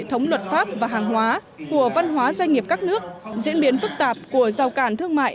hệ thống luật pháp và hàng hóa của văn hóa doanh nghiệp các nước diễn biến phức tạp của rào cản thương mại